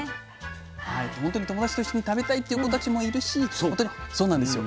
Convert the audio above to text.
本当に友達と一緒に食べたいという子たちもいるし本当にそうなんですよ。